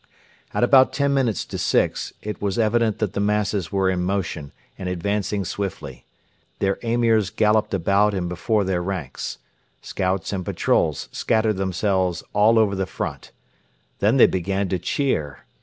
At about ten minutes to six it was evident that the masses were in motion and advancing swiftly. Their Emirs galloped about and before their ranks. Scouts and patrols scattered themselves all over the front. Then they began to cheer.